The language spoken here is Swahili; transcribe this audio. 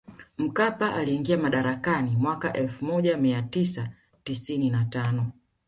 Mkapa aliingia madarakani mwaka elfu moja mia tisa tisini na tano